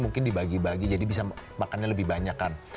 mungkin dibagi bagi jadi bisa makannya lebih banyak kan